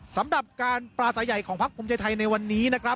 สำหรับการปลาสายใหญ่ของพักภูมิใจไทยในวันนี้นะครับ